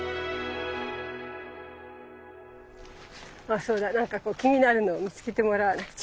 あそうだ。何かこう気になるのを見つけてもらわなくちゃ。